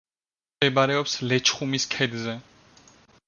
მდებარეობს ლეჩხუმის ქედზე.